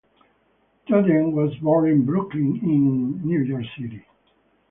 Totten was born in Brooklyn in New York City.